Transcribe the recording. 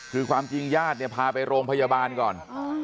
คือความจริงญาติเนี่ยพาไปโรงพยาบาลก่อน